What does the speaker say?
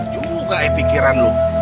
cukup ga eh pikiran lu